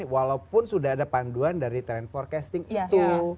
walaupun sudah ada panduan dari trend forecasting itu